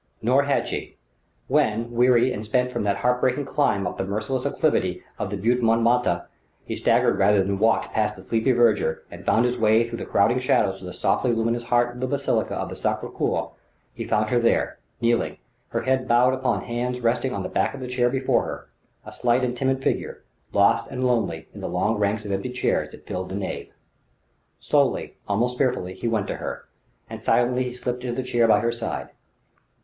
Nor had she: when weary and spent from that heartbreaking climb up the merciless acclivity of the Butte Montmartre he staggered rather than walked past the sleepy verger and found his way through the crowding shadows to the softly luminous heart of the basilica of the Sacré Cour, he found her there, kneeling, her head bowed upon hands resting on the back of the chair before her: a slight and timid figure, lost and lonely in the long ranks of empty chairs that filled the nave. Slowly, almost fearfully, he went to her, and silently he slipped into the chair by her side.